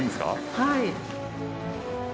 はい。